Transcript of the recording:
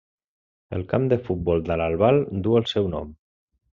El camp de futbol d'Albal duu el seu nom.